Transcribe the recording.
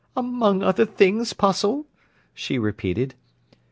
"'Among other things,' 'Postle?" she repeated.